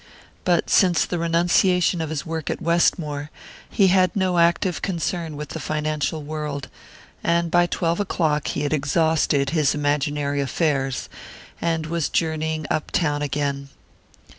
But since the renunciation of his work at Westmore he had no active concern with the financial world, and by twelve o'clock he had exhausted his imaginary affairs and was journeying up town again.